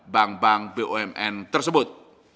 bank bank bumn tersebut